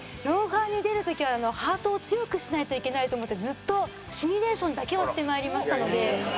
『ロンハー』に出る時はハートを強くしないといけないと思ってずっとシミュレーションだけはしてまいりましたので。